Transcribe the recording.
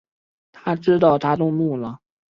他知道她动怒了